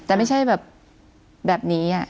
แต่ไม่ใช่แบบแบบนี้